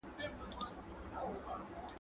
غالۍ اوبدل اسانه کار نه دی.